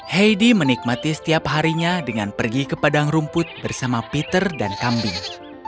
heidi menikmati setiap harinya dengan pergi ke padang rumput bersama peter dan kambing